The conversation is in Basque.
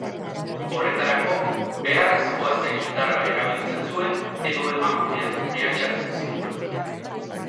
Horretarako, beharrezkoa zen indarra erabiltzen zuen edo emakumeak mehatxatzen zituen.